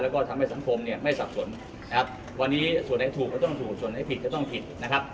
แต่แค่อักษรก็เป็นอักษรท่านพูดเรื่องอะไรเรื่องทุจริต